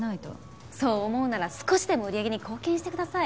そう思うなら少しでも売り上げに貢献してください。